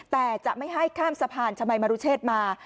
แต่จะไม่ให้ข้ามสะพานชมัยมรุเชษมา